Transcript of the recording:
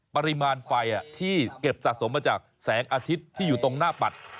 ปริมาณไฟที่เก็บสะสมมาจากแสงอาทิตย์ที่อยู่ตรงหน้าปัด